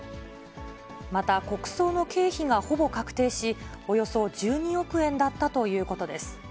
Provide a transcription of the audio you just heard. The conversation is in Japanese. また、国葬の経費がほぼ確定し、およそ１２億円だったということです。